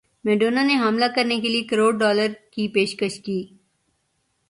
Madonna نے حاملہ کرنے کیلئے کروڑ ڈالر کی پیشکش کی